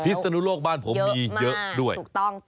ศนุโลกบ้านผมมีเยอะด้วยถูกต้อง